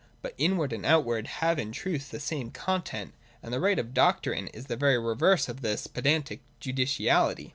But inward and outward have in truth the same content ; and the right doctrine is the very reverse of this pedantic judiciality.